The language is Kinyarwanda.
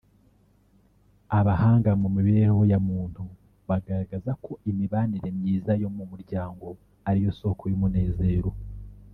Abahanga mu mibereho ya muntu bagaragaza ko imibanire myiza yo mu muryango ariyo soko y’umunezero